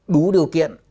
đủ điều kiện